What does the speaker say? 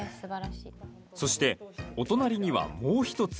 そして、お隣にはもう１つ。